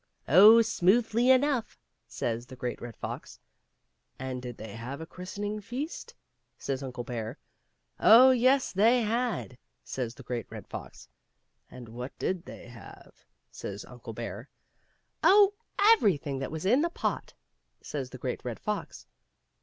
" Oh, smoothly enough," says the Great Red Fox. " And did they have a christening feast ?" says Uncle Bear. " Oh, yes, they had that," says the Great Red Fox. "And what did they have?" says Uncle Bear. " Oh, everything that was in the pot," says the Great Red Fox.